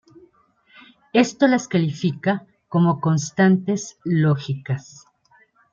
Esto las califica como "constantes lógicas".